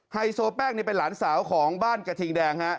ไฮโซแป้งเป็นหลานสาวของบ้านกระทิงแดงฮะ